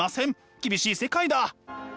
厳しい世界だ。